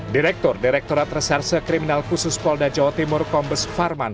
direktur direkturat reserse kriminal khusus polda jawa timur kombes farman